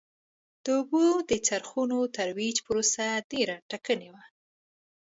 د اوبو د څرخونو ترویج پروسه ډېره ټکنۍ وه.